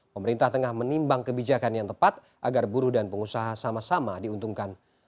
pemerintah tengah menimbang kebijakan yang tepat agar buruh dan pengusaha sama sama diuntungkan